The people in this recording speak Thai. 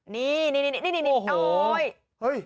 นี่นี่นี่นี่โอ้โห